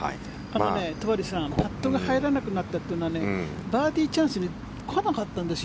あと、戸張さんパットが入らなくなったというのはバーディーチャンスに来なかったんです